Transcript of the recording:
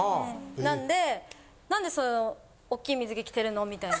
なんで何でその大きい水着着てるの？みたいな。